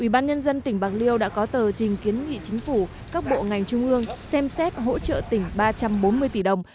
ủy ban nhân dân tỉnh bạc liêu đã có tờ trình kiến nghị chính phủ các bộ ngành trung ương xem xét hỗ trợ tỉnh ba trăm bốn mươi tỷ đồng